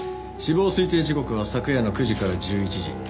死亡推定時刻は昨夜の９時から１１時。